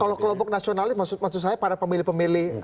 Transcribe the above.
kalau kelompok nasionalis maksud saya para pemilih pemilih